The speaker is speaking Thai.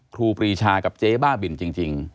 ครูปรีชากับเจ๊บ้าบินจริง